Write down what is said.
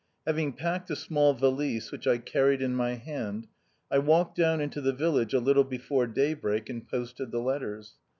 Having packed a small valise, which I carried in my hand, I walked down into the village a little before day break and posted the letters.